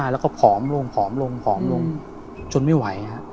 แล้วก็ผอมลงผอมลงผอมลงจนไม่ไหว